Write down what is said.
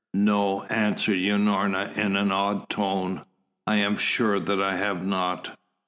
"No," answered Unorna in an odd tone. "I am sure that I have not."